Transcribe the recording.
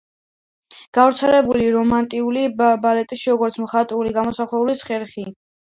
გავრცელებული რომანტიულ ბალეტში, როგორც მხატვრული გამომსახველობის ხერხი.